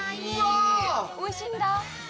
おいしいんだ。